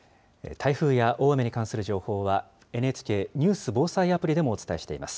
台風や大雨に関する情報は、ＮＨＫニュース・防災アプリでもお伝えしています。